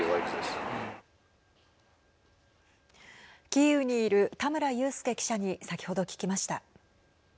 キーウにいる田村佑輔記者に先ほど聞きました。